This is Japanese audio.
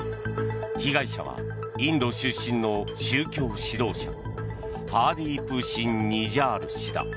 被害者はインド出身の宗教指導者ハーディープ・シン・ニジャール氏だ。